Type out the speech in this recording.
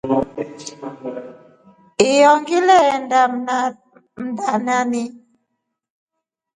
Iyo ngilenda mndana.